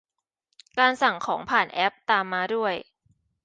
การสั่งของผ่านแอป ตามมาด้วย